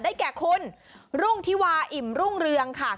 แก่คุณรุ่งธิวาอิ่มรุ่งเรืองค่ะ